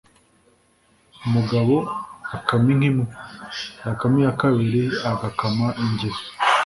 Umugabo akama inka imwe ,yakama iya kabiri agakama ingeso